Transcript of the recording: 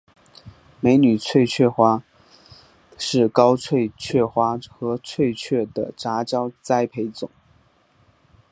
美女翠雀花是高翠雀花和翠雀的杂交栽培种。